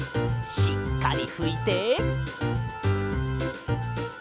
しっかりふいて。